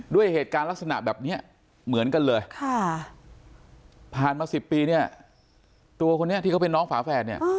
ด้วยเหตุการณ์ลักษณะแบบนี้เหมือนกันเลยผ่านมา๑๐ปีเนี่ยตัวคนนี้ที่เขาเป็นน้องฝาแฝดเนี่ย